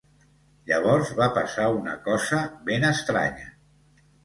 Llavors va passar una cosa ben estranya.